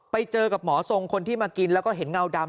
ไปเจอกับหมอทรงคนที่มากินแล้วก็เห็นเงาดำ